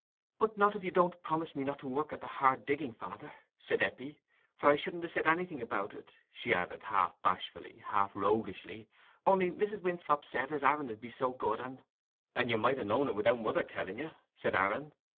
"But not if you don't promise me not to work at the hard digging, father," said Eppie. "For I shouldn't ha' said anything about it," she added, half bashfully, half roguishly, "only Mrs. Winthrop said as Aaron 'ud be so good, and—" "And you might ha' known it without mother telling you," said Aaron.